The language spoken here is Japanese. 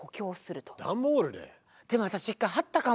でも私一回貼ったかも。